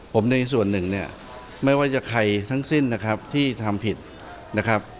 ผมในส่วนหนึ่งเนี่ยไม่ว่าจะใครทั้งสิ้นนะครับที่ทำผิดนะครับ